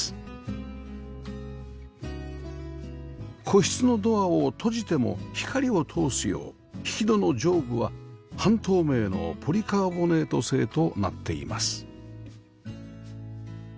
個室のドアを閉じても光を通すよう引き戸の上部は半透明のポリカーボネート製となっています